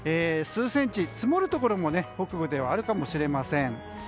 数センチ積もるところも北部ではあるかもしれません。